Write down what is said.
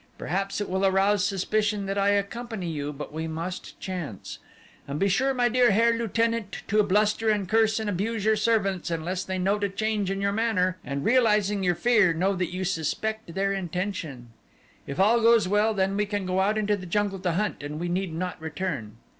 Perhaps it will arouse suspicion that I accompany you but that we must chance. And be sure my dear Herr Lieutenant to bluster and curse and abuse your servants unless they note a change in your manner and realizing your fear know that you suspect their intention. If all goes well then we can go out into the jungle to hunt and we need not return.